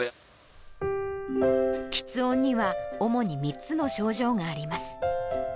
きつ音には主に３つの症状があります。